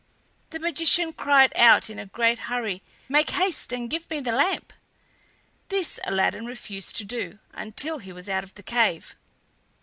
The magician cried out in a great hurry: "Make haste and give me the lamp." This Aladdin refused to do until he was out of the cave.